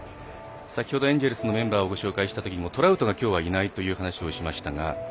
先ほどエンジェルスのメンバーをご紹介したときもトラウトがきょうはいないという話をしましたが。